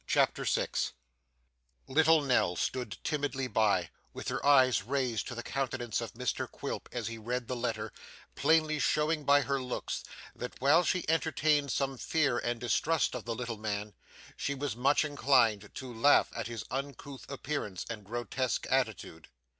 CHAPTER 6 Little Nell stood timidly by, with her eyes raised to the countenance of Mr Quilp as he read the letter, plainly showing by her looks that while she entertained some fear and distrust of the little man, she was much inclined to laugh at his uncouth appearance and grotesque attitude.